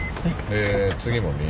で次も右。